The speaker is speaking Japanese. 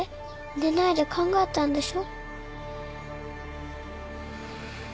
寝ないで考えたんでしょ？